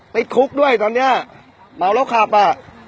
ติดคุกด้วยตอนเนี้ยเมาแล้วขับอ่ะ